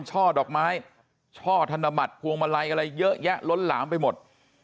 ช่อดอกไม้ช่อธนบัตรพวงมาลัยอะไรเยอะแยะล้นหลามไปหมด